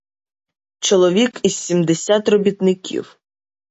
Чоловік із сімдесят робітників.